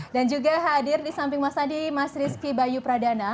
dan juga hadir di samping mas andi mas rizky bayu pradana